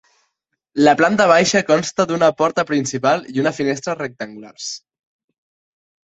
La planta baixa consta d’una porta principal i una finestra rectangulars.